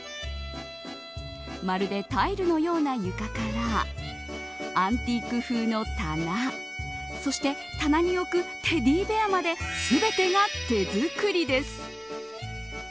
まるでタイルのような床からアンティーク風の棚そして棚に置くテディベアまですべてが手作りです。